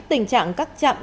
tình trạng các chai rượu